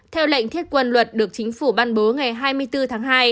theo lệnh thiết quân luật được chính phủ ban bố ngày hai mươi bốn tháng hai